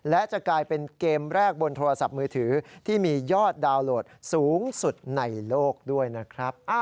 และจะกลายเป็นเกมแรกบนโทรศัพท์มือถือที่มียอดดาวน์โหลดสูงสุดในโลกด้วยนะครับ